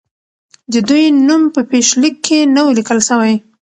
د دوی نوم په پیشلیک کې نه وو لیکل سوی.